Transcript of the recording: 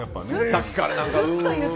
さっきから。